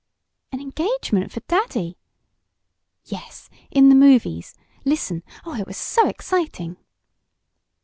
"An engagement for daddy?" "Yes. In the movies! Listen. Oh, it was so exciting!"